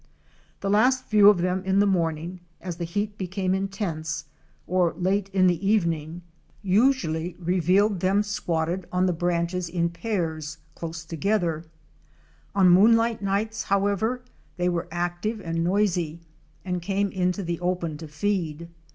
The last view of them in the morning, as the heat became intense, or late in the evening, usually revealed them squatted 370 OUR SEARCH FOR A WILDERNESS. on the branches in pairs close together. On moonlight nights however they were active and noisy, and came into the open to feed.